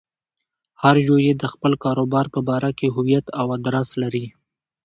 هر يو يې د خپل کاروبار په باره کې هويت او ادرس لري.